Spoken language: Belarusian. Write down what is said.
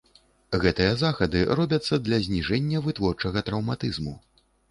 Гэтыя захады робяцца для зніжэння вытворчага траўматызму.